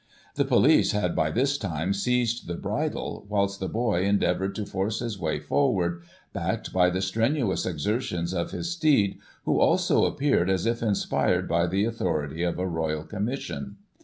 The police had, by this time, seized the bridle, whilst the boy endeavoured to force his way forward, backed by the strenuous exertions of his steed, who also appeared as if inspired by the authority of a Royal Commission.